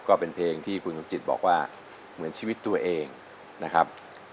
ก็เป็นเพลงที่คุณสมจิตบอกว่าเหมือนชีวิตตัวเองนะครับ